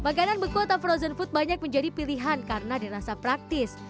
makanan beku atau frozen food banyak menjadi pilihan karena dirasa praktis